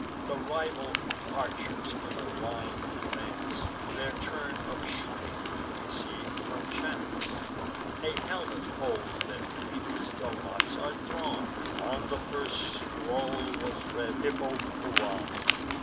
The rival archers in a line advance, Their turn of shooting to receive from chance. A helmet holds their names; the lots are drawn: On the first scroll was read Hippocoon.